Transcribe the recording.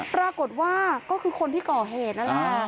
ปรากฏว่าก็คือคนที่ก่อเหตุนั่นแหละ